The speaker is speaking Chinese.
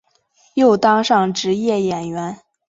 又当上职业演员。